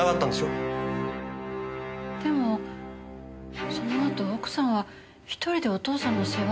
でもそのあと奥さんは１人でお父さんの世話を。